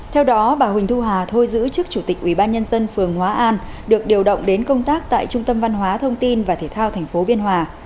theo đó bà huỳnh thu hà thôi giữ chức chủ tịch ubnd phường hóa an được điều động đến công tác tại trung tâm văn hóa thông tin và thể thao tp biên hòa